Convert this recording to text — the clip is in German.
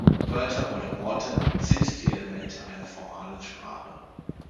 Wörter oder Worte sind die Elemente einer formalen Sprache.